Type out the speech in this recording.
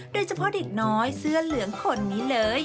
โดยเฉพาะเด็กน้อยเสื้อเหลืองคนนี้เลย